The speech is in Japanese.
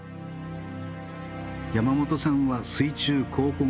山本さんは水中考古学